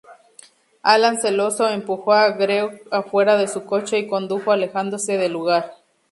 Alan celoso empujó a Greg afuera de su coche y condujo alejándose del lugar.